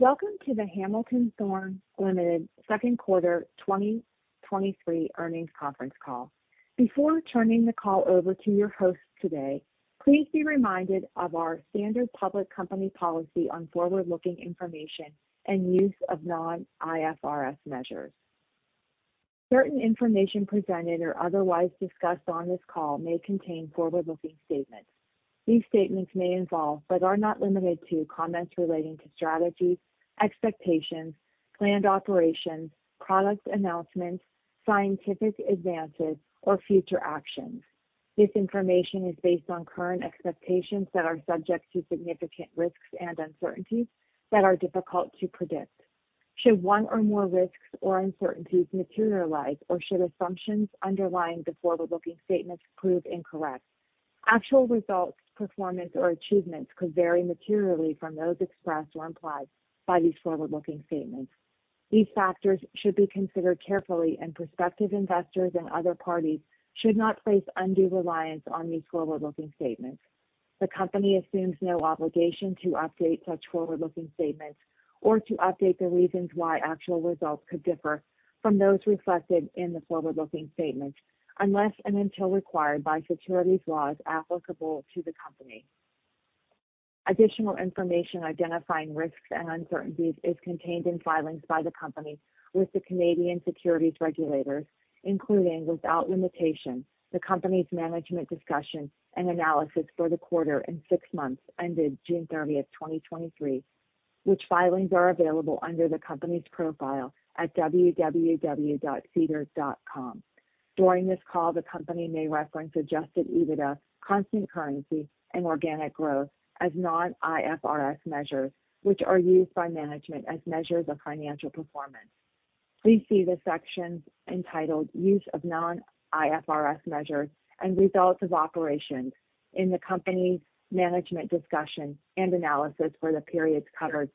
Welcome to the Hamilton Thorne Ltd. Second Quarter 2023 Earnings Conference Call. Before turning the call over to your host today, please be reminded of our standard public company policy on forward-looking information and use of non-IFRS measures. Certain information presented or otherwise discussed on this call may contain forward-looking statements. These statements may involve, but are not limited to, comments relating to strategies, expectations, planned operations, product announcements, scientific advances, or future actions. This information is based on current expectations that are subject to significant risks and uncertainties that are difficult to predict. Should one or more risks or uncertainties materialize, or should assumptions underlying the forward-looking statements prove incorrect, actual results, performance, or achievements could vary materially from those expressed or implied by these forward-looking statements. These factors should be considered carefully, and prospective investors and other parties should not place undue reliance on these forward-looking statements. The company assumes no obligation to update such forward-looking statements or to update the reasons why actual results could differ from those reflected in the forward-looking statements, unless and until required by securities laws applicable to the company. Additional information identifying risks and uncertainties is contained in filings by the company with the Canadian Securities Regulators, including, without limitation, the company's Management's Discussion and Analysis for the quarter and six months ended 30th June, 2023, which filings are available under the company's profile at www.sedar.com. During this call, the company may reference adjusted EBITDA, constant currency, and organic growth as non-IFRS measures, which are used by management as measures of financial performance. Please see the sections entitled Use of Non-IFRS Measures and Results of Operations in the company's Management's Discussion and Analysis for the periods covered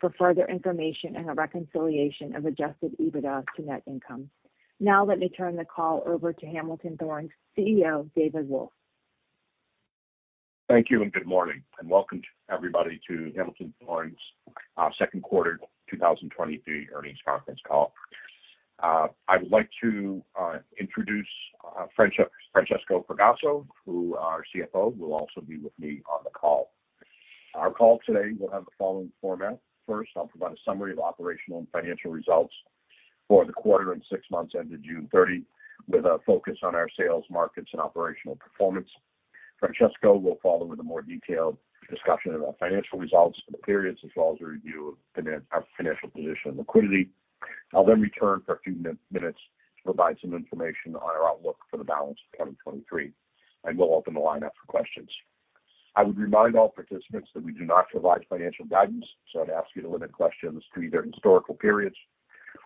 for further information and a reconciliation of adjusted EBITDA to net income. Let me turn the call over to Hamilton Thorne's CEO, David Wolf. Thank you, and good morning, and welcome to everybody to Hamilton Thorne's second quarter 2023 earnings conference call. I would like to introduce Francesco Fragasso, who, our CFO, will also be with me on the call. Our call today will have the following format. First, I'll provide a summary of operational and financial results for the quarter and 6 months ended June 30, with a focus on our sales, markets, and operational performance. Francesco will follow with a more detailed discussion of our financial results for the periods, as well as a review of our financial position and liquidity. I'll then return for a few minutes to provide some information on our outlook for the balance of 2023, and we'll open the line up for questions. I would remind all participants that we do not provide financial guidance, I'd ask you to limit questions to either historical periods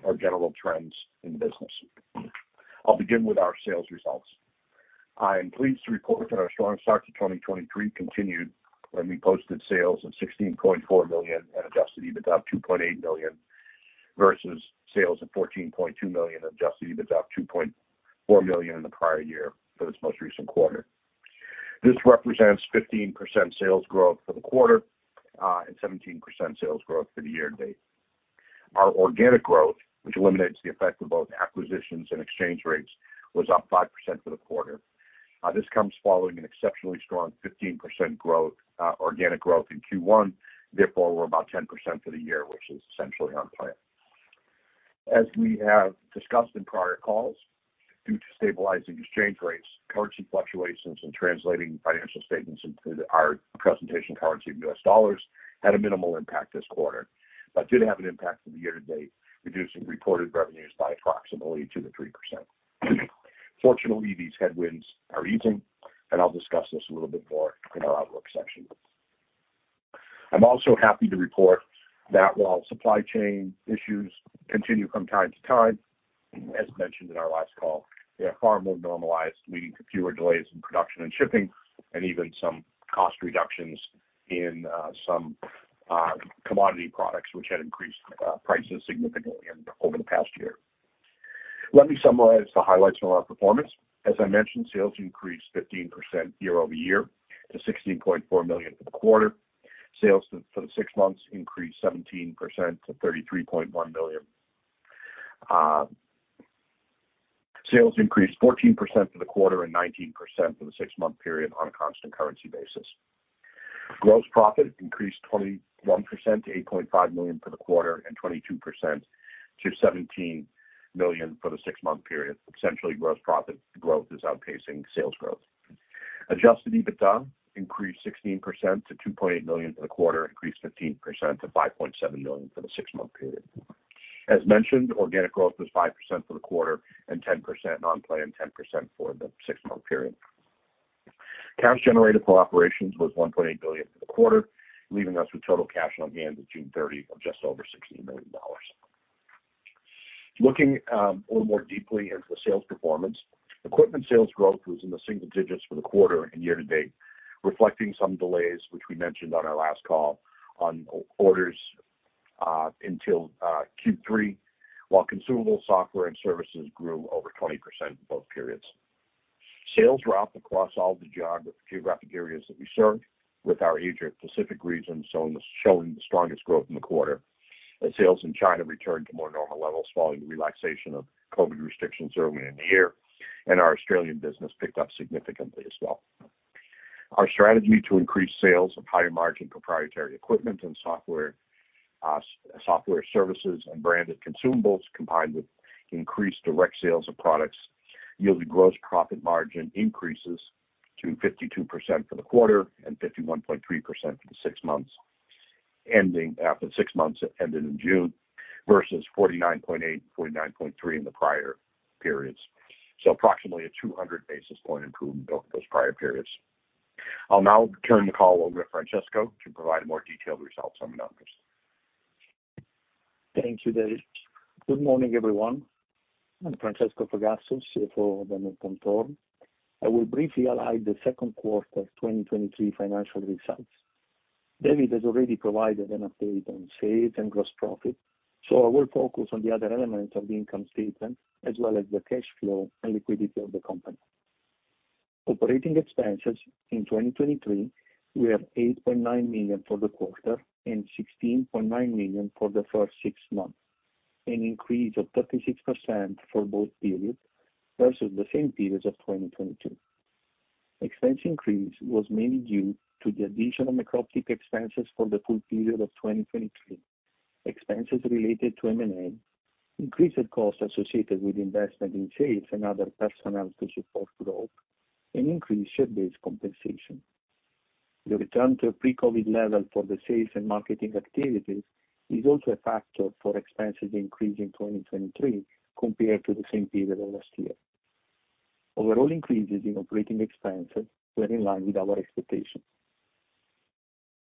or general trends in the business. I'll begin with our sales results. I am pleased to report that our strong start to 2023 continued when we posted sales of $16.4 million and adjusted EBITDA of $2.8 million, versus sales of $14.2 million and adjusted EBITDA of $2.4 million in the prior year for this most recent quarter. This represents 15% sales growth for the quarter, and 17% sales growth for the year to date. Our organic growth, which eliminates the effect of both acquisitions and exchange rates, was up 5% for the quarter. This comes following an exceptionally strong 15% growth, organic growth in Q1. Therefore, we're about 10% for the year, which is essentially on plan. As we have discussed in prior calls, due to stabilizing exchange rates, currency fluctuations and translating financial statements into our presentation currency of U.S. dollars had a minimal impact this quarter, but did have an impact for the year to date, reducing reported revenues by approximately 2%-3%. Fortunately, these headwinds are easing, and I'll discuss this a little bit more in our outlook section. I'm also happy to report that while supply chain issues continue from time to time, as mentioned in our last call, they are far more normalized, leading to fewer delays in production and shipping, and even some cost reductions in some commodity products, which had increased prices significantly in over the past year. Let me summarize the highlights from our performance. As I mentioned, sales increased 15% year-over-year to $16.4 million for the quarter. Sales for the 6 months increased 17% to $33.1 million. Sales increased 14% for the quarter and 19% for the 6-month period on a constant currency basis. Gross profit increased 21% to $8.5 million for the quarter and 22% to $17 million for the 6-month period. Essentially, gross profit growth is outpacing sales growth. Adjusted EBITDA increased 16% to $2.8 million for the quarter, increased 15% to $5.7 million for the 6-month period. As mentioned, organic growth was 5% for the quarter and 10%, on plan 10% for the 6-month period. Cash generated for operations was $1.8 billion for the quarter, leaving us with total cash on hand of June 30 of just over $16 million. Looking a little more deeply into the sales performance, equipment sales growth was in the single digits for the quarter and year-to-date, reflecting some delays, which we mentioned on our last call, on orders until Q3, while consumable software and services grew over 20% in both periods. Sales were up across all the geographic areas that we serve, with our Asia Pacific region showing the strongest growth in the quarter. Sales in China returned to more normal levels following the relaxation of COVID restrictions early in the year. Our Australian business picked up significantly as well. Our strategy to increase sales of higher margin proprietary equipment and software, software services and branded consumables, combined with increased direct sales of products, yielded gross profit margin increases to 52% for the quarter and 51.3% for the 6 months, ending after 6 months that ended in June, versus 49.8 and 49.3 in the prior periods. Approximately a 200 basis point improvement over those prior periods. I'll now turn the call over to Francesco to provide more detailed results on the numbers. Thank you, David. Good morning, everyone. I'm Francesco Fragasso, CFO of Hamilton Thorne. I will briefly highlight the second quarter of 2023 financial results. David has already provided an update on sales and gross profit. I will focus on the other elements of the income statement, as well as the cash flow and liquidity of the company. Operating expenses in 2023 were $8.9 million for the quarter and $16.9 million for the first six months, an increase of 36% for both periods versus the same periods of 2022. Expense increase was mainly due to the additional Microptic expenses for the full period of 2023. Expenses related to M&A, increased costs associated with investment in sales and other personnel to support growth, and increased share-based compensation. The return to a pre-COVID level for the sales and marketing activities is also a factor for expenses increase in 2023, compared to the same period of last year. Overall increases in operating expenses were in line with our expectations.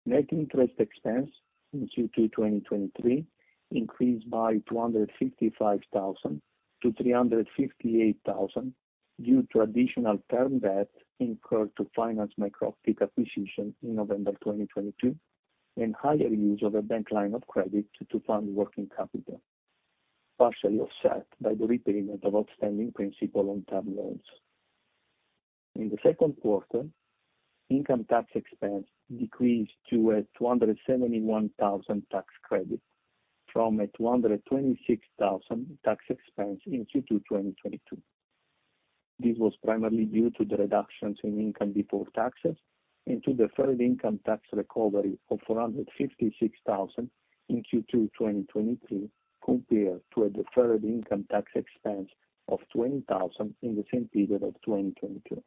Net interest expense in Q2 2023 increased by $255,000 to $358,000, due to additional term debt incurred to finance Microptic acquisition in November 2022, and higher use of a bank line of credit to fund working capital, partially offset by the repayment of outstanding principal on term loans. In the second quarter, income tax expense decreased to a $271,000 tax credit from a $226,000 tax expense in Q2 2022. This was primarily due to the reductions in income before taxes and to deferred income tax recovery of $456,000 in Q2 2023, compared to a deferred income tax expense of $20,000 in the same period of 2022.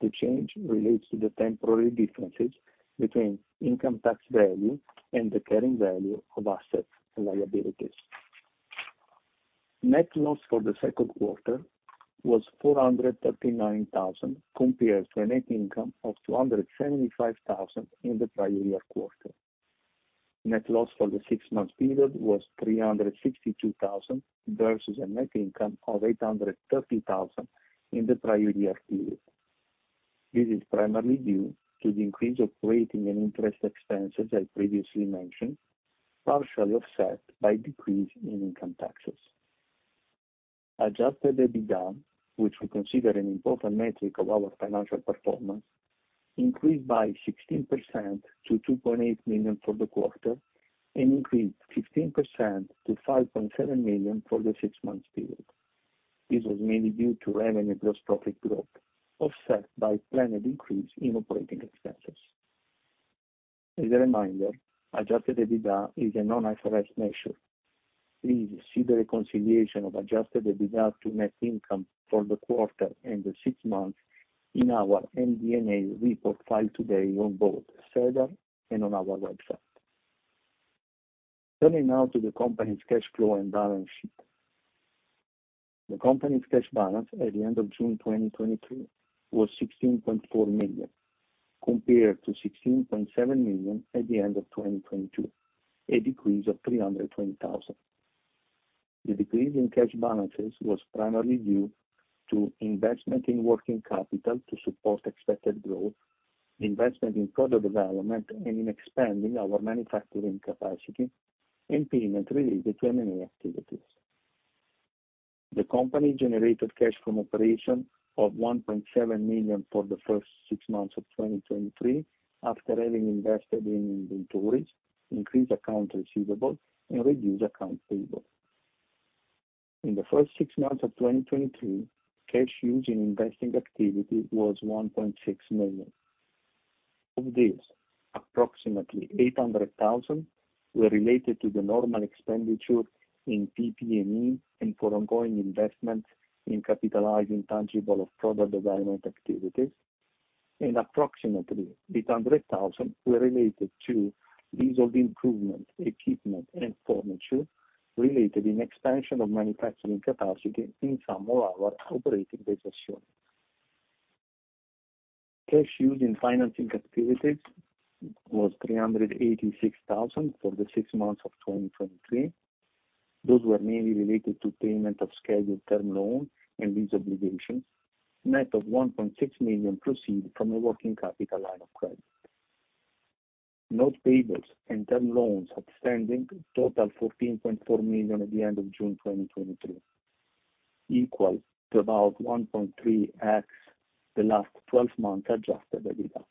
The change relates to the temporary differences between income tax value and the carrying value of assets and liabilities. Net loss for the second quarter was $439,000, compared to a net income of $275,000 in the prior year quarter. Net loss for the six-month period was $362,000, versus a net income of $830,000 in the prior year period. This is primarily due to the increase of operating and interest expenses I previously mentioned, partially offset by decrease in income taxes. Adjusted EBITDA, which we consider an important metric of our financial performance, increased by 16% to $2.8 million for the quarter, and increased 15% to $5.7 million for the six-month period. This was mainly due to revenue gross profit growth, offset by planned increase in operating expenses. As a reminder, adjusted EBITDA is a non-IFRS measure. Please see the reconciliation of adjusted EBITDA to net income for the quarter and the six months in our MD&A report filed today on both SEDAR and on our website. Turning now to the company's cash flow and balance sheet. The company's cash balance at the end of June 2023 was $16.4 million, compared to $16.7 million at the end of 2022, a decrease of $320,000. The decrease in cash balances was primarily due to investment in working capital to support expected growth, investment in product development, and in expanding our manufacturing capacity, and payment related to M&A activities. The company generated cash from operation of $1.7 million for the first six months of 2023, after having invested in inventories, increased accounts receivable, and reduced accounts payable. In the first six months of 2023, cash used in investing activity was $1.6 million. Of this, approximately $800,000 were related to the normal expenditure in PP&E and for ongoing investments in capitalizing tangible of product development activities, and approximately $800,000 were related to leasehold improvement, equipment, and furniture related in expansion of manufacturing capacity in some of our operating businesses. Cash used in financing activities was $386,000 for the six months of 2023. Those were mainly related to payment of scheduled term loans and lease obligations, net of $1.6 million proceeds from a working capital line of credit. Note payables and term loans outstanding total $14.4 million at the end of June 2023, equal to about 1.3x the last twelve months adjusted EBITDA.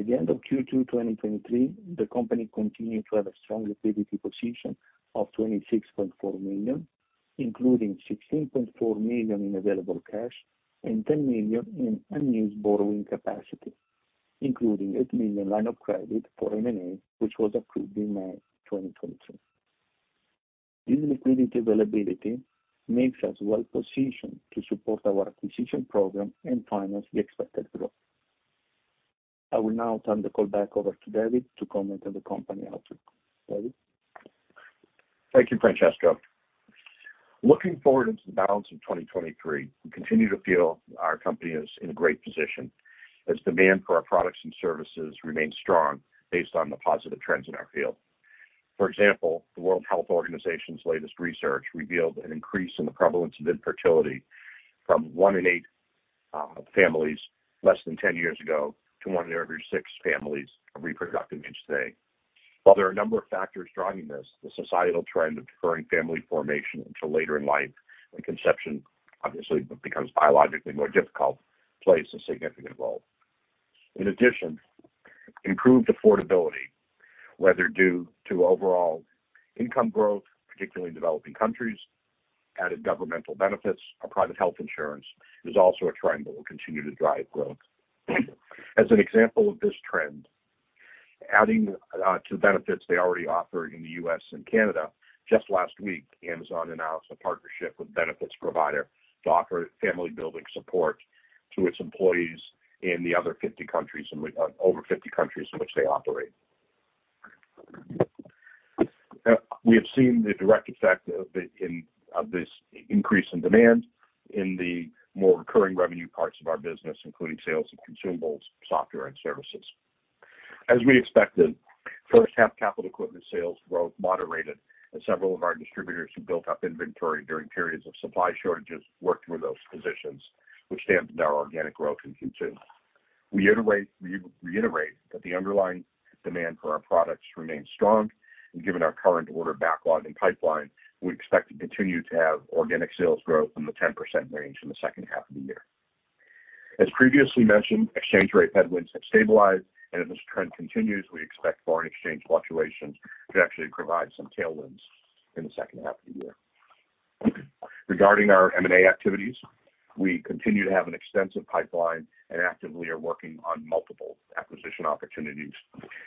At the end of Q2 2023, the company continued to have a strong liquidity position of $26.4 million, including $16.4 million in available cash and $10 million in unused borrowing capacity, including $8 million line of credit for M&A, which was approved in May 2022. This liquidity availability makes us well positioned to support our acquisition program and finance the expected growth. I will now turn the call back over to David to comment on the company outlook. David? Thank you, Francesco. Looking forward into the balance of 2023, we continue to feel our company is in a great position as demand for our products and services remains strong based on the positive trends in our field. For example, the World Health Organization's latest research revealed an increase in the prevalence of infertility from one in eight families less than 10 years ago to one in every six families of reproductive age today. While there are a number of factors driving this, the societal trend of deferring family formation until later in life, when conception obviously becomes biologically more difficult, plays a significant role. In addition, improved affordability, whether due to overall income growth, particularly in developing countries, added governmental benefits or private health insurance, is also a trend that will continue to drive growth. As an example of this trend, adding to benefits they already offer in the U.S. and Canada, just last week, Amazon announced a partnership with benefits provider to offer family-building support to its employees in the other 50 countries, in the over 50 countries in which they operate. We have seen the direct effect of the, in, of this increase in demand in the more recurring revenue parts of our business, including sales of consumables, software, and services. As we expected, first half capital equipment sales growth moderated, as several of our distributors who built up inventory during periods of supply shortages worked through those positions, which dampened our organic growth in Q2. We reiterate that the underlying demand for our products remains strong. Given our current order backlog and pipeline, we expect to continue to have organic sales growth in the 10% range in the second half of the year. As previously mentioned, exchange rate headwinds have stabilized. If this trend continues, we expect foreign exchange fluctuations to actually provide some tailwinds in the second half of the year. Regarding our M&A activities, we continue to have an extensive pipeline and actively are working on multiple acquisition opportunities.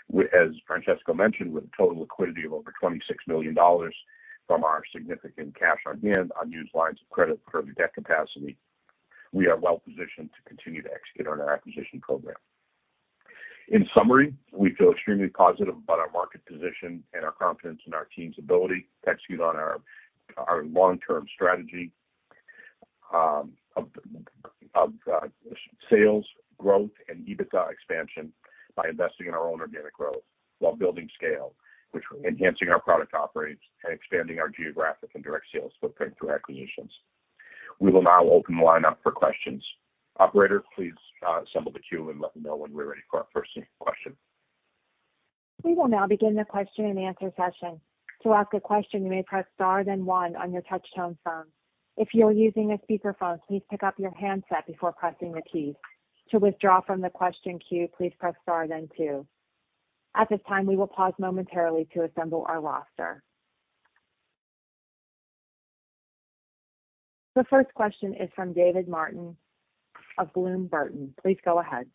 As Francesco mentioned, with total liquidity of over $26 million from our significant cash on hand, unused lines of credit for the debt capacity, we are well positioned to continue to execute on our acquisition program. In summary, we feel extremely positive about our market position and our confidence in our team's ability to execute on our long-term strategy of sales, growth, and EBITDA expansion by investing in our own organic growth while building scale, which enhancing our product offerings and expanding our geographic and direct sales footprint through acquisitions. We will now open the line up for questions. Operator, please assemble the queue and let me know when we're ready for our first question. We will now begin the question-and-answer session. To ask a question, you may press Star, then 1 on your touchtone phone. If you're using a speakerphone, please pick up your handset before pressing the key. To withdraw from the question queue, please Press Star then two. At this time, we will pause momentarily to assemble our roster. The first question is from David Martin of Bloom Burton. Please go ahead.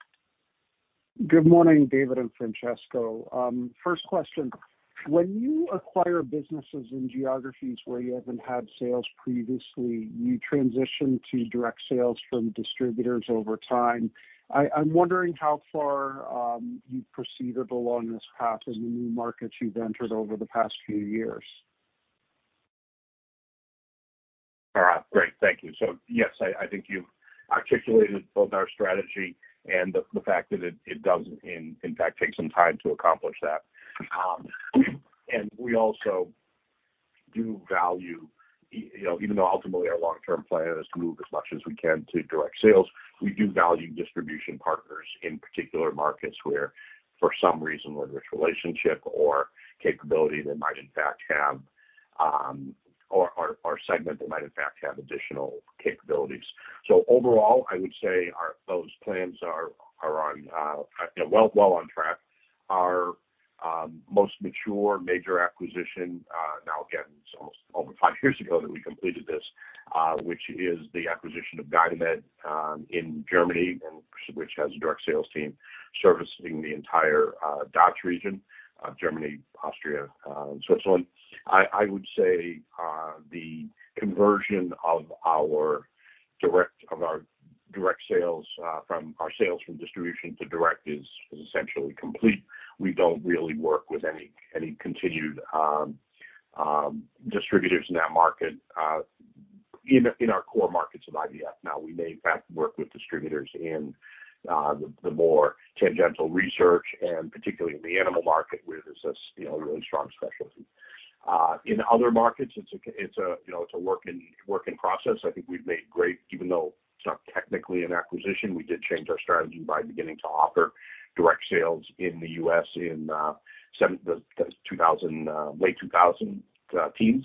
Good morning, David and Francesco. First question, when you acquire businesses in geographies where you haven't had sales previously, you transition to direct sales from distributors over time. I, I'm wondering how far you've proceeded along this path in the new markets you've entered over the past few years. All right. Great. Thank you. Yes, I think you've articulated both our strategy and the fact that it does in fact take some time to accomplish that. We also do value, you know, even though ultimately our long-term plan is to move as much as we can to direct sales, we do value distribution partners in particular markets where, for some reason, whether it's relationship or capability, they might in fact have or segment, they might in fact have additional capabilities. Overall, I would say those plans are on, you know, well on track. Our most mature major acquisition, now, again, it's almost over five years ago that we completed this, which is the acquisition of Dynamed, in Germany. Which has a direct sales team servicing the entire DACH region, Germany, Austria, and Switzerland. I would say, the conversion of our direct, of our direct sales, from our sales from distribution to direct is essentially complete. We don't really work with any, any continued, distributors in that market, in our core markets of IVF. Now, we may in fact work with distributors in the more tangential research and particularly in the animal market, where there's a you know, really strong specialty. In other markets, it's a, you know, it's a work in, work in process. I think we've made great, even though it's not technically an acquisition, we did change our strategy by beginning to offer direct sales in the U.S. in 7, the 2000, late 2010s.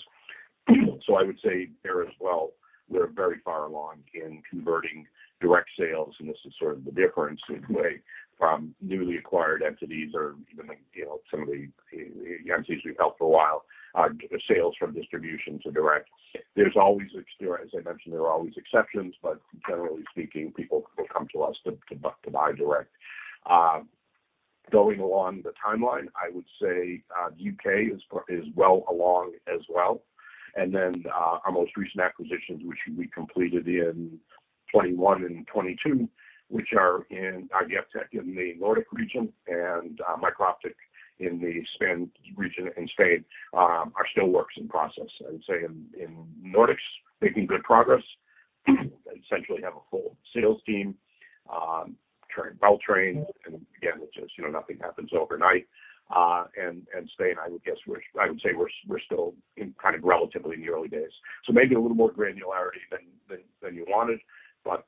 I would say there as well, we're very far along in converting direct sales, and this is sort of the difference, in a way, from newly acquired entities or even the, you know, some of the entities we've helped for a while, sales from distribution to direct. There's always, as I mentioned, there are always exceptions, but generally speaking, people will come to us to, to, to buy direct. Going along the timeline, I would say, U.K. is, is well along as well. Our most recent acquisitions, which we completed in 2021 and 2022, which are in AgTech in the Nordic region, and Microptic in the Spain region, in Spain, are still works in process. I would say in Nordics, making good progress, they essentially have a full sales team, trained, well trained, and again, it's just, you know, nothing happens overnight. And Spain, I would guess we're, I would say we're, we're still in kind of relatively in the early days. Maybe a little more granularity than, than, than you wanted, but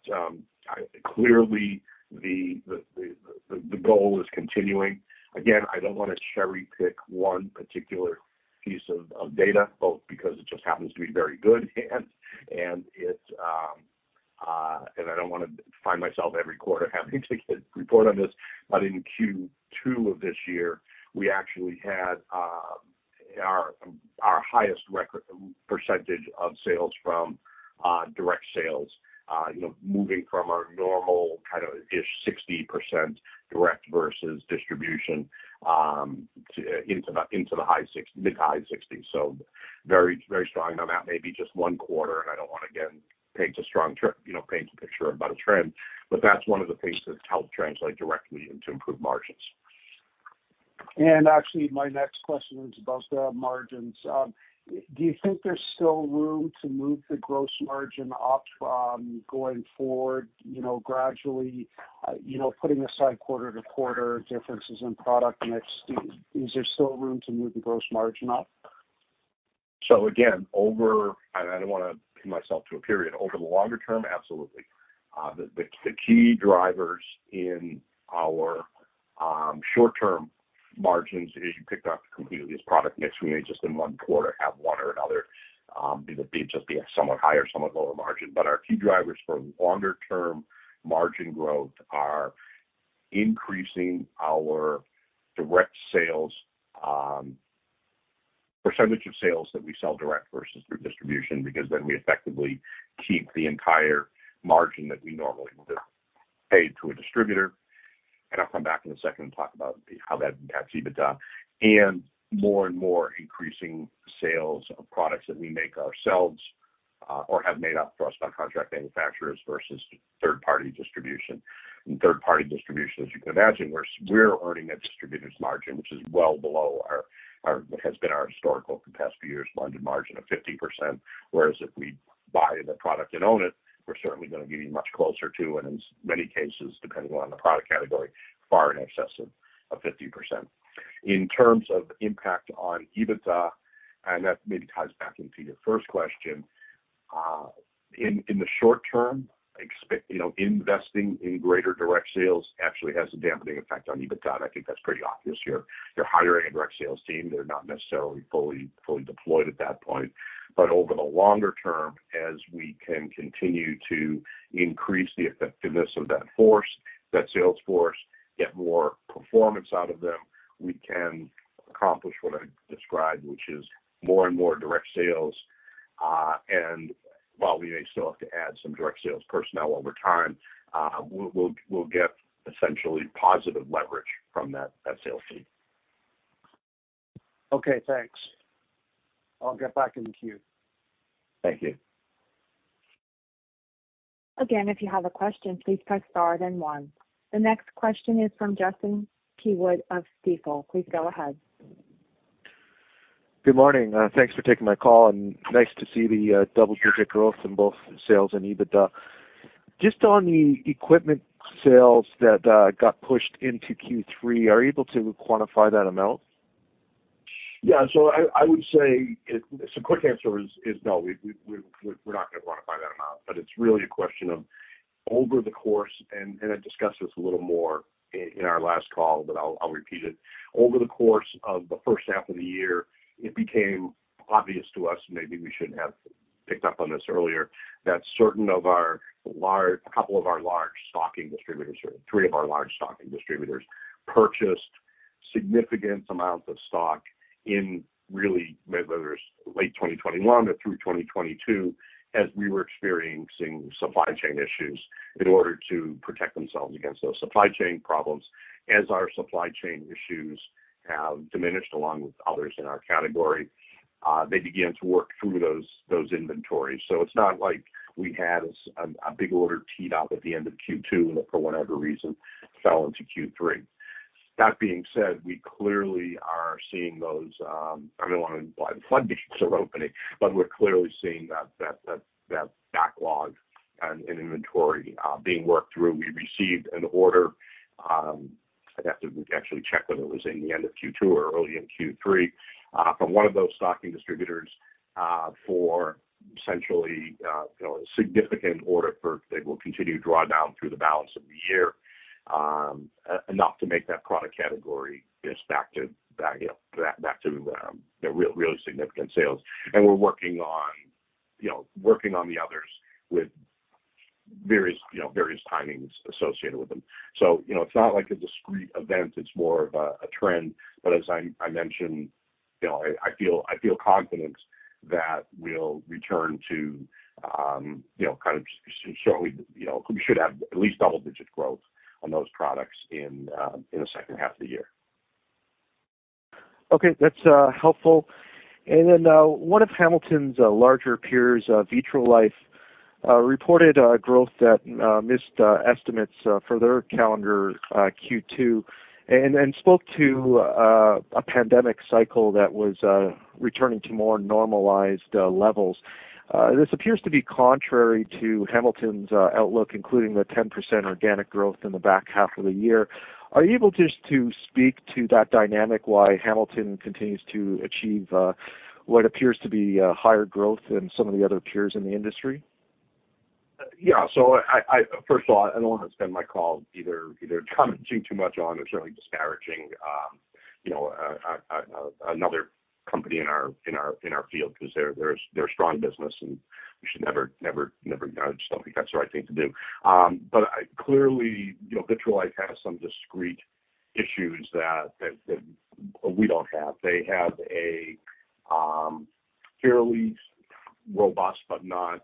clearly, the, the, the, the goal is continuing. I don't want to cherry-pick one particular piece of, of data, both because it just happens to be very good, and and it's, and I don't want to find myself every quarter having to report on this, but in Q2 of this year, we actually had, our, our highest record percentage of sales from, direct sales. You know, moving from our normal kind of ish 60% direct versus distribution, to into the, into the mid- to high 60s. Very, very strong on that, maybe just one quarter, and I don't want to, again, paint a strong trend, you know, paint a picture about a trend, but that's one of the things that's helped translate directly into improved margins. Actually, my next question is about the margins. Do you think there's still room to move the gross margin up, going forward, you know, gradually, you know, putting aside quarter-to-quarter differences in product mix? Is there still room to move the gross margin up? Again, over, and I don't want to pin myself to a period, over the longer term, absolutely. The, the, the key drivers in our short-term margins is you picked up completely as product mix. We may just in one quarter have one or another, just be a somewhat higher, somewhat lower margin. Our key drivers for longer-term margin growth are increasing our direct sales percentage of sales that we sell direct versus through distribution, because then we effectively keep the entire margin that we normally would pay to a distributor. I'll come back in a second and talk about how that, that's EBITDA. More and more increasing sales of products that we make ourselves or have made up for us by contract manufacturers versus third-party distribution. Third-party distribution, as you can imagine, we're, we're earning that distributor's margin, which is well below our, our, what has been our historical for the past few years, margin margin of 50%, whereas if we buy the product and own it, we're certainly going to be much closer to, and in many cases, depending on the product category, far in excess of, of 50%. In terms of impact on EBITDA, and that maybe ties back into your first question, in, in the short term, you know, investing in greater direct sales actually has a dampening effect on EBITDA. I think that's pretty obvious. You're, you're hiring a direct sales team. They're not necessarily fully, fully deployed at that point. Over the longer term, as we can continue to increase the effectiveness of that force, that sales force, get more performance out of them, we can accomplish what I described, which is more and more direct sales. While we may still have to add some direct sales personnel over time, we'll get essentially positive leverage from that sales team. Okay, thanks. I'll get back in the queue. Thank you. Again, if you have a question, please Press Star, then one. The next question is from Justin Keywood of Stifel. Please go ahead. Good morning. Thanks for taking my call, and nice to see the double-digit growth in both sales and EBITDA. Just on the equipment sales that got pushed into Q3, are you able to quantify that amount? Yeah, I, I would say it, so quick answer is, is no, we, we, we, we're not going to quantify that amount, but it's really a question of over the course, and, and I discussed this a little more in, in our last call, but I'll, I'll repeat it. Over the course of the first half of the year, it became obvious to us, and maybe we should have picked up on this earlier, that certain of our large- couple of our large stocking distributors, or three of our large stocking distributors, purchased significant amounts of stock in really whether it's late 2021 or through 2022, as we were experiencing supply chain issues, in order to protect themselves against those supply chain problems. As our supply chain issues have diminished, along with others in our category, they began to work through those, those inventories. It's not like we had a big order teed up at the end of Q2, and for whatever reason, fell into Q3. That being said, we clearly are seeing those, I don't want to the floodgates are opening, but we're clearly seeing that, that, that, that backlog and, and inventory being worked through. We received an order, I'd have to actually check whether it was in the end of Q2 or early in Q3, from one of those stocking distributors, essentially, you know, a significant order for that will continue to draw down through the balance of the year, enough to make that product category just back to, back, you know, back, back to the real, really significant sales. We're working on, you know, working on the others with various, you know, various timings associated with them. It's not like a discrete event, it's more of a, a trend. As I, I mentioned, you know, I, I feel, I feel confident that we'll return to, you know, kind of showing, you know, we should have at least double-digit growth on those products in, in the second half of the year. Okay, that's helpful. One of Hamilton's larger peers, Vitrolife, reported a growth that missed estimates for their calendar Q2, and spoke to a pandemic cycle that was returning to more normalized levels. This appears to be contrary to Hamilton's outlook, including the 10% organic growth in the back half of the year. Are you able just to speak to that dynamic, why Hamilton continues to achieve what appears to be higher growth than some of the other peers in the industry? Yeah. First of all, I don't want to spend my call either, either commenting too much on or certainly disparaging, you know, another company in our, in our, in our field, because they're, they're, they're a strong business, and we should never, never, never, just don't think that's the right thing to do. I clearly, you know, Vitrolife has some discrete issues that we don't have. They have a fairly robust, but not,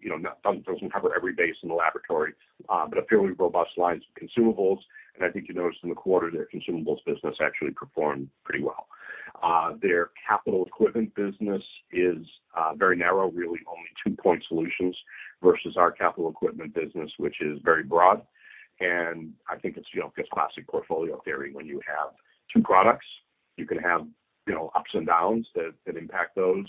you know, doesn't cover every base in the laboratory, but a fairly robust lines of consumables. I think you noticed in the quarter, their consumables business actually performed pretty well. Their capital equipment business is very narrow, really only two point solutions, versus our capital equipment business, which is very broad. I think it's, you know, just classic portfolio theory. When you have two products, you can have, you know, ups and downs that, that impact those.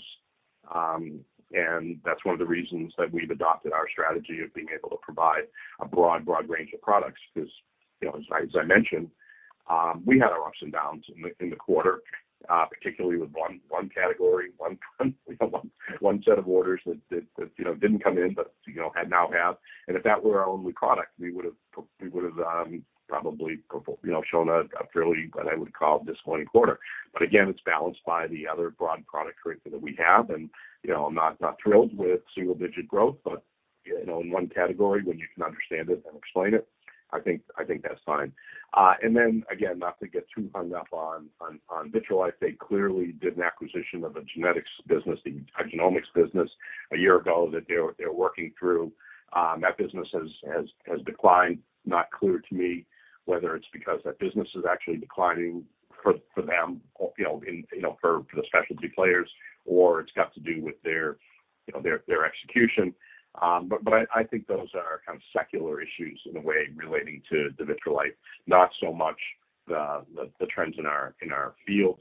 That's one of the reasons that we've adopted our strategy of being able to provide a broad, broad range of products, because, you know, as I, as I mentioned, we had our ups and downs in the, in the quarter, particularly with one, one category, one, one set of orders that, that, that, you know, didn't come in but, you know, had now have. If that were our only product, we would have, probably, you know, shown a, a fairly, what I would call disappointing quarter. Again, it's balanced by the other broad product criteria that we have. You know, I'm not, not thrilled with single-digit growth, but, you know, in 1 category, when you can understand it and explain it, I think, I think that's fine. Then again, not to get too hung up on, on, on Vitrolife, they clearly did an acquisition of a genetics business, a genomics business, one year ago that they're, they're working through. That business has, has, has declined. Not clear to me whether it's because that business is actually declining for, for them, or, you know, in, you know, for the specialty players, or it's got to do with their, you know, their, their execution. I think those are kind of secular issues in a way relating to the Vitrolife, not so much the, the, the trends in our, in our field.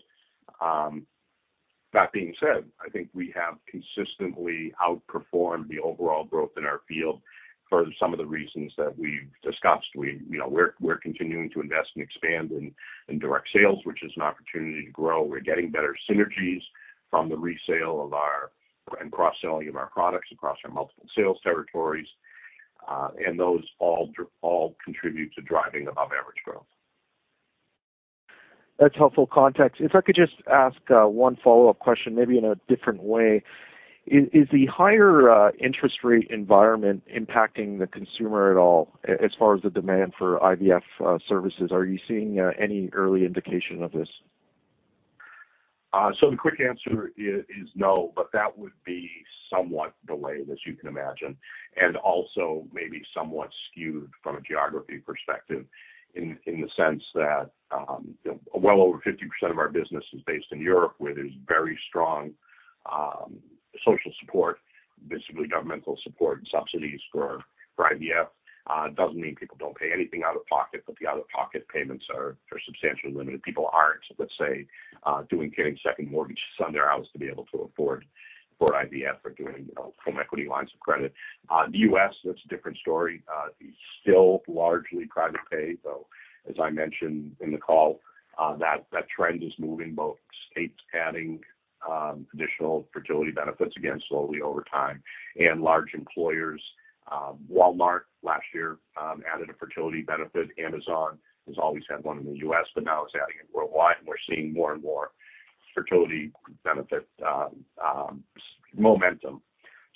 That being said, I think we have consistently outperformed the overall growth in our field for some of the reasons that we've discussed. We, you know, we're, we're continuing to invest and expand in, in direct sales, which is an opportunity to grow. We're getting better synergies from the resale of and cross-selling of our products across our multiple sales territories. And those all all contribute to driving above average growth. That's helpful context. If I could just ask, one follow-up question, maybe in a different way. Is the higher interest rate environment impacting the consumer at all, as far as the demand for IVF services? Are you seeing any early indication of this? The quick answer is, is no, but that would be somewhat delayed, as you can imagine, and also maybe somewhat skewed from a geography perspective, in, in the sense that, well over 50% of our business is based in Europe, where there's very strong, social support, basically governmental support and subsidies for, for IVF. It doesn't mean people don't pay anything out of pocket, but the out-of-pocket payments are, are substantially limited. People aren't, let's say, doing, carrying second mortgages on their house to be able to afford, for IVF or doing, you know, home equity lines of credit. The U.S. that's a different story. Still largely private pay. Though, as I mentioned in the call, that, that trend is moving, both states adding, additional fertility benefits, again, slowly over time, and large employers. Walmart last year added a fertility benefit. Amazon has always had one in the U.S. but now is adding it worldwide, and we're seeing more and more fertility benefit momentum.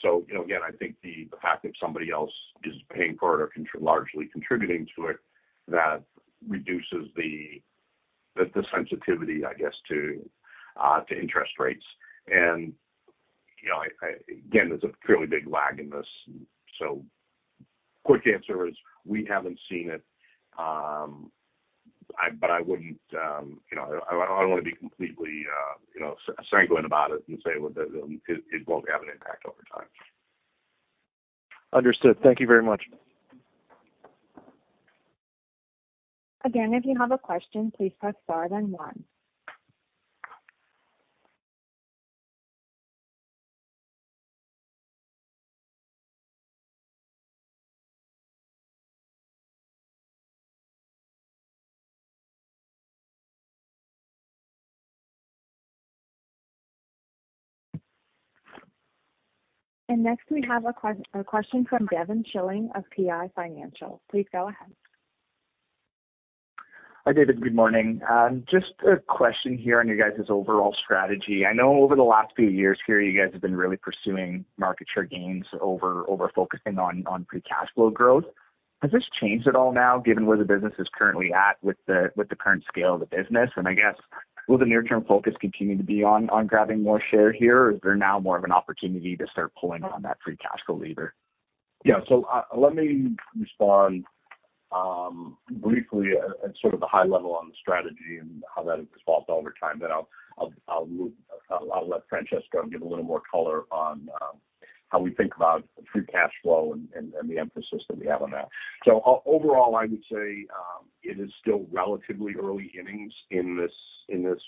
You know, again, I think the, the fact that somebody else is paying for it or largely contributing to it, that reduces the, the, the sensitivity, I guess, to interest rates. You know, again, there's a fairly big lag in this. Quick answer is we haven't seen it. But I wouldn't, you know. I don't want to be completely, you know, sanguine about it and say, well, that it won't have an impact over time. Understood. Thank you very much. Again, if you have a question, please Press Star then one. Next, we have a question from Devin Schilling of PI Financial. Please go ahead. Hi, David, good morning. Just a question here on you guys' overall strategy. I know over the last few years here, you guys have been really pursuing market share gains over, over focusing on, on free cash flow growth. Has this changed at all now, given where the business is currently at with the, with the current scale of the business? I guess, will the near-term focus continue to be on, on grabbing more share here, or is there now more of an opportunity to start pulling on that free cash flow lever? Let me respond briefly at, at sort of the high level on the strategy and how that has evolved over time. I'll, I'll, I'll move- I'll, I'll let Francesco give a little more color on how we think about free cash flow and, and, and the emphasis that we have on that. Overall, I would say, it is still relatively early innings in this, in this,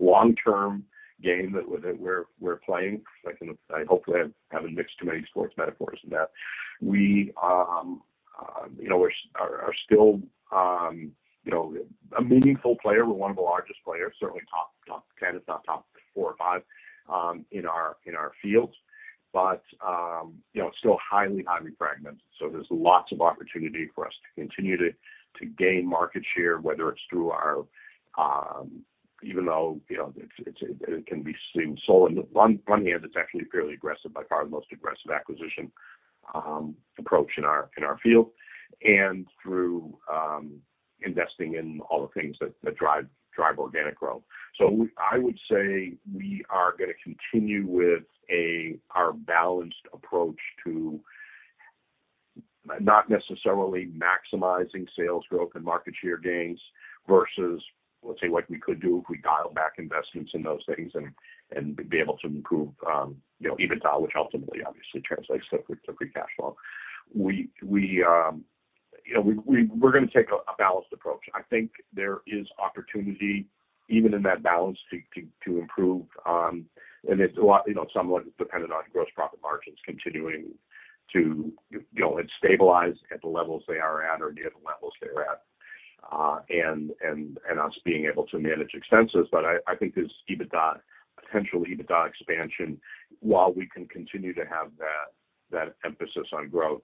long-term game that we're, we're playing. I hopefully haven't mixed too many sports metaphors in that. We, you know, we're, are, are still, you know, a meaningful player. We're one of the largest players, certainly top, top 10, if not top four or five, in our, in our field, but, you know, still highly, highly fragmented. There's lots of opportunity for us to continue to, to gain market share, whether it's through our, even though, you know, it's, it's, it can be seen on the one, one hand, it's actually fairly aggressive, by far the most aggressive acquisition approach in our, in our field, and through investing in all the things that, that drive, drive organic growth. I would say we are gonna continue with a, our balanced approach to not necessarily maximizing sales growth and market share gains versus, let's say, what we could do if we dial back investments in those things and, and be able to improve, you know, EBITDA, which ultimately obviously translates to, to free cash flow. We, we, you know, we're gonna take a, a balanced approach. I think there is opportunity, even in that balance, to improve, and it's a lot, you know, somewhat dependent on gross profit margins continuing to, you know, and stabilize at the levels they are at or near the levels they're at, and us being able to manage expenses. I think there's EBITDA, potential EBITDA expansion while we can continue to have that, that emphasis on growth.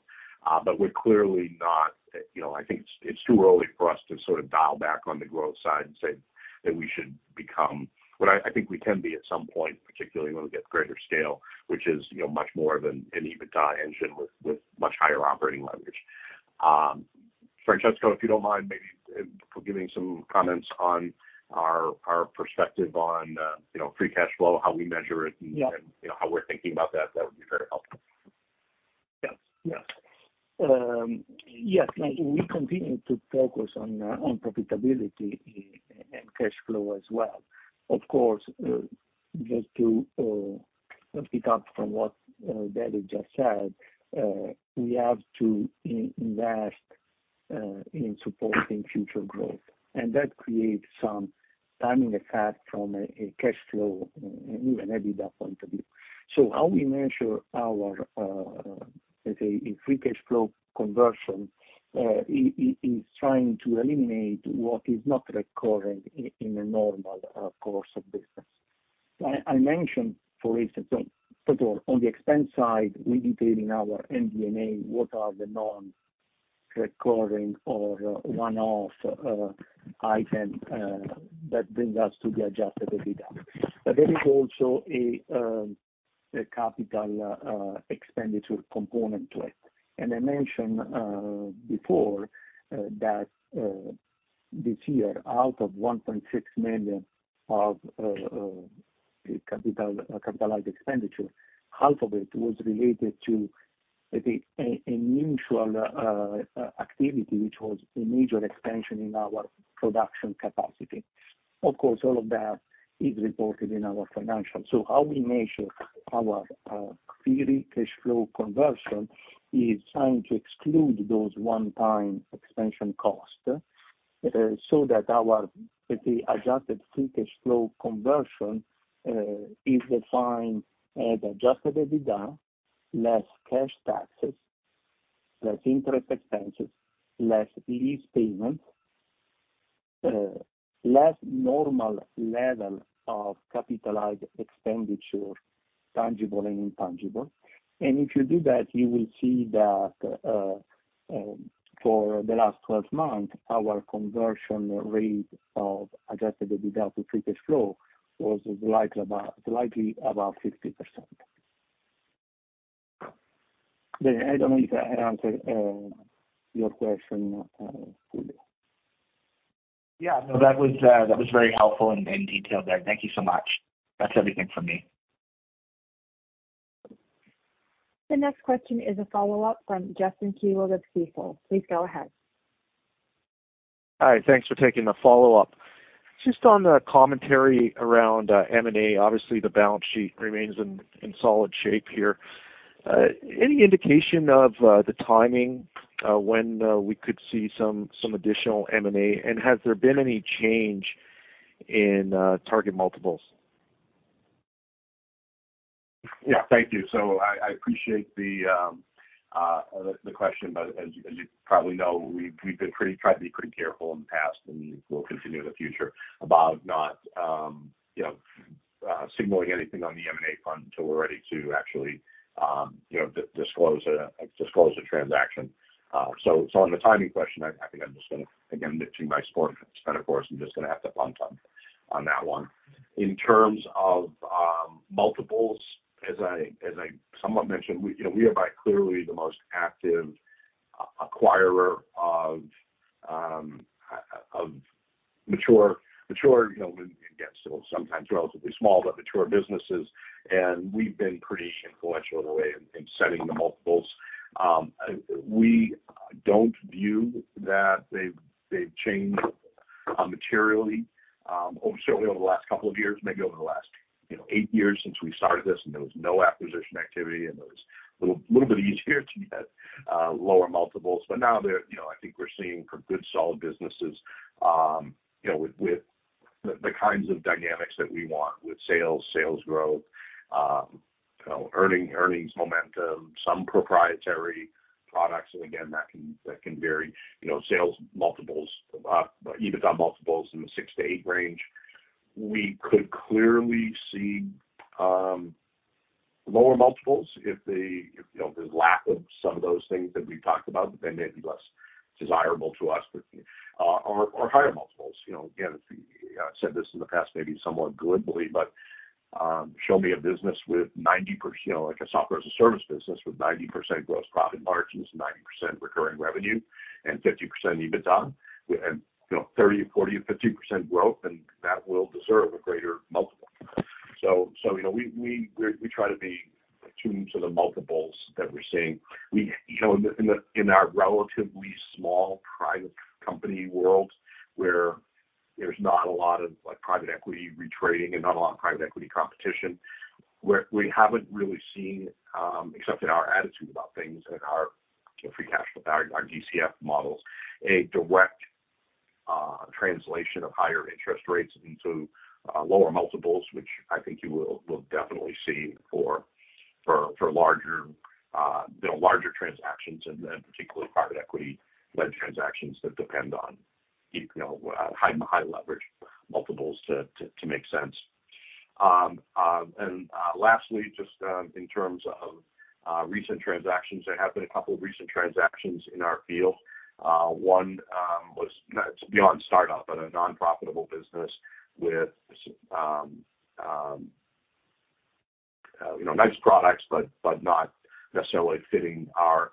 We're clearly not, you know. I think it's too early for us to sort of dial back on the growth side and say that we should become what I think we can be at some point, particularly when we get greater scale, which is, you know, much more of an EBITDA engine with, with much higher operating leverage. Francesco, if you don't mind, maybe giving some comments on our, our perspective on, you know, free cash flow, how we measure it, and Yeah. you know, how we're thinking about that, that would be very helpful. Yes. Yes. Yes, and we continue to focus on profitability and cash flow as well. Of course, just to pick up from what David just said, we have to invest in supporting future growth, and that creates some timing effect from a cash flow, even EBITDA point of view. How we measure our, let's say, free cash flow conversion, is, is, is trying to eliminate what is not recurring in, in a normal course of business. I, I mentioned, for instance, on the expense side, we detailed in our MD&A what are the non-recurring or one-off items that brings us to the adjusted EBITDA. There is also a capital expenditure component to it. I mentioned before that this year, out of $1.6 million of capitalized expenditure, $800,000 of it was related to, let's say, initial activity, which was a major expansion in our production capacity. Of course, all of that is reported in our financials. How we measure our free cash flow conversion is trying to exclude those one-time expansion costs so that our, let's say, adjusted free cash flow conversion is defined as adjusted EBITDA, less cash taxes, less interest expenses, less lease payments, less normal level of capitalized expenditure, tangible and intangible. If you do that, you will see that for the last 12 months, our conversion rate of adjusted EBITDA to free cash flow was likely about 50%. I don't know if I answered your question fully. Yeah, no, that was, that was very helpful and, and detailed there. Thank you so much. That's everything from me. The next question is a follow-up from Justin Key of Stifel. Please go ahead. Hi, thanks for taking the follow-up. Just on the commentary around M&A, obviously, the balance sheet remains in, in solid shape here. Any indication of the timing when we could see some additional M&A? Has there been any change in target multiples? Yeah, thank you. I, I appreciate the, the question, but as you, as you probably know, we've, we've been pretty tried to be pretty careful in the past, and we will continue in the future, about not, you know, signaling anything on the M&A front until we're ready to actually, you know, disclose a disclose a transaction. So, so on the timing question, I, I think I'm just gonna, again, stick to my script, and of course, I'm just gonna have to punt on, on that one. In terms of multiples, as I, as I somewhat mentioned, we, you know, we are by clearly the most active acquirer of mature, mature, you know, again, still sometimes relatively small, but mature businesses, and we've been pretty influential in the way in, in setting the multiples. We don't view that they've, they've changed materially, certainly over the last couple of years, maybe over the last, you know, eight years since we started this and there was no acquisition activity and it was a little, little bit easier to get lower multiples. Now they're, you know, I think we're seeing for good, solid businesses, you know, with, with the, the kinds of dynamics that we want with sales, sales growth, you know, earning-earnings momentum, some proprietary products, and again, that can, that can vary, you know, sales multiples, EBITDA multiples in the 6-8x range. We could clearly see lower multiples if the, if, you know, there's lack of some of those things that we've talked about, that they may be less desirable to us, or, or higher multiples. You know, again, I've said this in the past, maybe somewhat glibly, but, show me a business with you know, like a software-as-a-service business with 90% gross profit margins, 90% recurring revenue, and 50% EBITDA, and, you know, 30%, 40%, 50% growth, and that will deserve a greater multiple. You know, we try to be attuned to the multiples that we're seeing. We, you know, in the, in the, in our relatively small private company world, where there's not a lot of, like, private equity retrading and not a lot of private equity competition, where we haven't really seen, except in our attitude about things and our free cash flow value, our DCF models, a direct translation of higher interest rates into lower multiples, which I think you will, will definitely see for, for, for larger, you know, larger transactions, and then particularly private equity-led transactions that depend on, you know, high, high leverage multiples to make sense. Lastly, just in terms of recent transactions, there have been a couple of recent transactions in our field. 1 was, it's beyond startup, but a non-profitable business with, you know, nice products, but not necessarily fitting our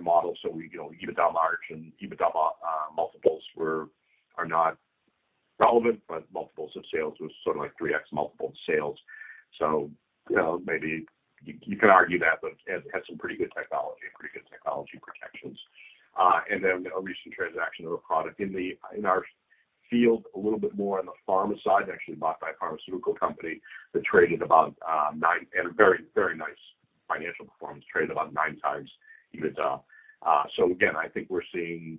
model. We, you know, EBITDA margin, EBITDA multiples were, are not relevant, but multiples of sales was sort of like 3x multiple of sales. You know, maybe you, you can argue that, but it had some pretty good technology and pretty good technology protections. And then a recent transaction of a product in the, in our field, a little bit more on the pharma side, actually bought by a pharmaceutical company that traded about nine, and a very, very nice financial performance, traded about 9x EBITDA. Again, I think we're seeing,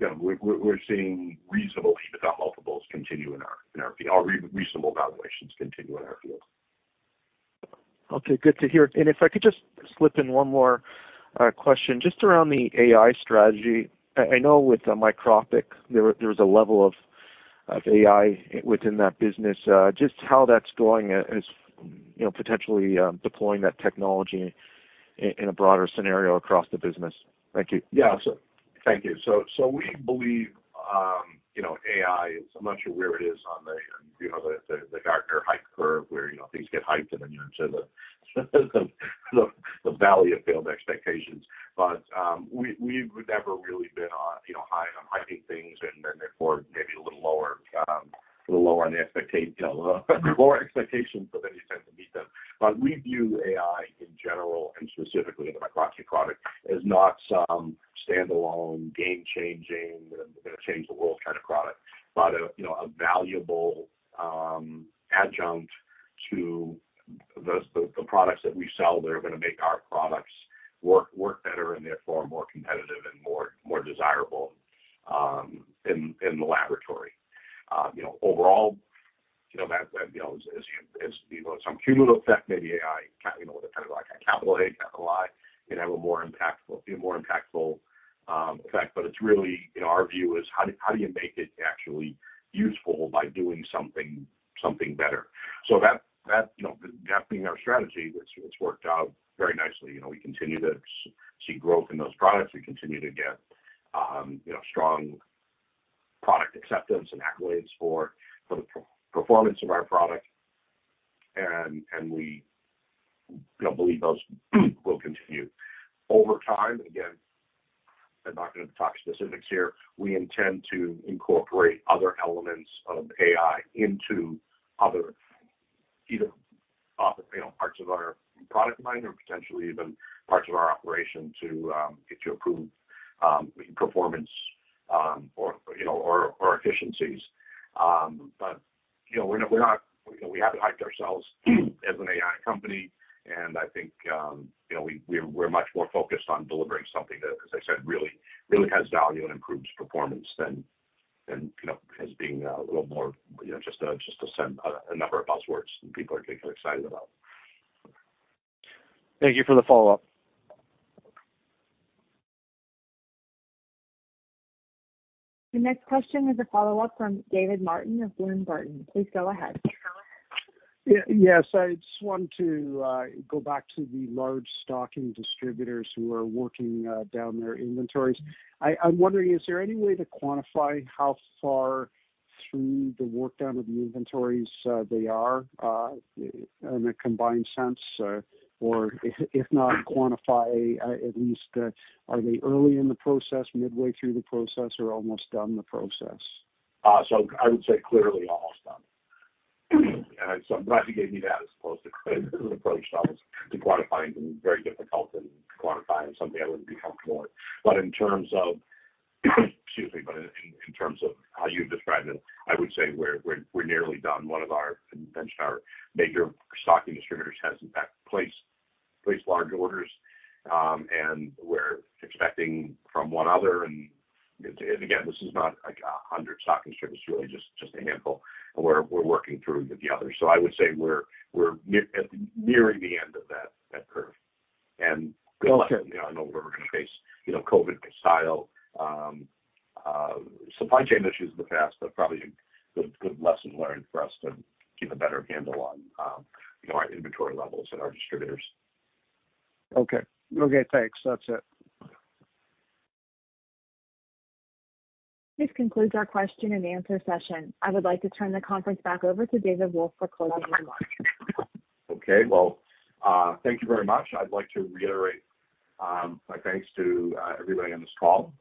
you know, we're seeing reasonable EBITDA multiples continue in our field, or reasonable valuations continue in our field. Okay, good to hear. If I could just slip in one more question, just around the AI strategy. I, I know with Microptic, there was there was a level of AI within that business. Just how that's going as, you know, potentially, deploying that technology in a broader scenario across the business. Thank you. Thank you. We believe, you know, AI is I'm not sure where it is on the, you know, the, the, the Gartner Hype Cycle, where, you know, things get hyped and then you're into the, the, the valley of failed expectations. We've, we've never really been on, you know, high on hyping things and then therefore maybe a little lower, a little lower on the you know, lower expectations, so then you tend to meet them. We view AI in general, and specifically in the Microptic product, as not some standalone, game-changing, gonna change the world kind of product, but a, you know, a valuable, adjunct to the, the, the products that we sell that are gonna make our products work, work better and therefore more competitive and more, more desirable, in, in the laboratory. You know, overall, you know, that, as you know, some cumulative effect, maybe AI, with a kind of like a capital A, capital I, can have a more impactful effect, but it's really, in our view, is how do you make it actually useful by doing something, something better? That being our strategy, which it's worked out very nicely. You know, we continue to see growth in those products. We continue to get strong product acceptance and accolades for the performance of our product, and we believe those will continue. Over time, again, I'm not gonna talk specifics here, we intend to incorporate other elements of AI into other either, you know, parts of our product line or potentially even parts of our operation to get to improve performance or, you know, or, or efficiencies. But, you know, we haven't hyped ourselves as an AI company, and I think, you know, we, we're, we're much more focused on delivering something that, as I said, really, really has value and improves performance than. You know, as being a little more, you know, just to send a number of buzzwords that people are getting excited about. Thank you for the follow-up. The next question is a follow-up from David Martin of Bloomberg. Please go ahead. Yeah, yes, I just want to go back to the large stocking distributors who are working down their inventories. I, I'm wondering, is there any way to quantify how far through the work down of the inventories they are in a combined sense, or if, if not quantify, at least, are they early in the process, midway through the process, or almost done in the process? I would say clearly almost done. I'm glad you gave me that as opposed to approach. I was to quantify it and very difficult and quantify it, something I wouldn't be comfortable with. But in terms of, excuse me, but in, in terms of how you've described it, I would say we're, we're, we're nearly done. One of our, mentioned our major stocking distributors has in fact, placed, placed large orders, and we're expecting from one other. Again, this is not like 100 stocking distributors, really, just, just a handful, and we're, we're working through the others. I would say we're, we're near, nearing the end of that, that curve. I know we're gonna face, you know, COVID style, supply chain issues in the past, but probably a good, good lesson learned for us to keep a better handle on, you know, our inventory levels and our distributors. Okay. Okay, thanks. That's it. This concludes our question and answer session. I would like to turn the conference back over to David Wolf for closing remarks. Okay, well, thank you very much. I'd like to reiterate my thanks to everybody on this call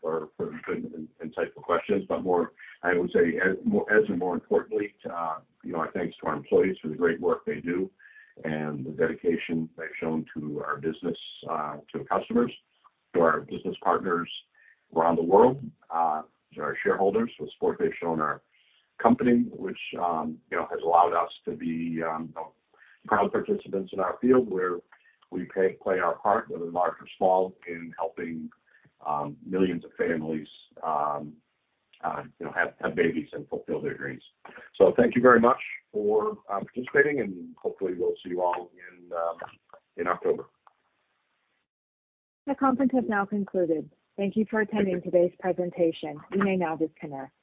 for the good and insightful questions. More, I would say as and more importantly, to, you know, our thanks to our employees for the great work they do and the dedication they've shown to our business, to the customers, to our business partners around the world, to our shareholders, the support they've shown our company, which, you know, has allowed us to be proud participants in our field where we play our part, whether large or small, in helping millions of families, you know, have babies and fulfill their dreams. Thank you very much for participating, and hopefully we'll see you all in October. The conference has now concluded. Thank you for attending today's presentation. You may now disconnect.